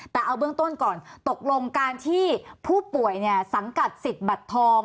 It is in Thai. แต่เอาเบื้องต้นก่อนตกลงการที่ผู้ป่วยสังกัดสิทธิ์บัตรทอง